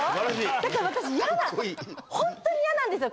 だから私嫌だほんとに嫌なんですよ。